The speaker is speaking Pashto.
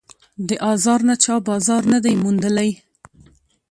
د آزار نه چا بازار نه دی موندلی